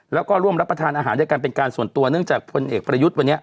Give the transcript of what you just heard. แล้วก็ร่วมรับประทานอาหารด้วยกันเป็นการส่วนตัวเนื่องจากพลเอกประยุทธ์วันนี้